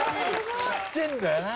知ってるんだよな。